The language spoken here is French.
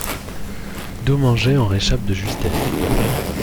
Dommanget en réchappe de justesse.